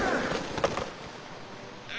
あ。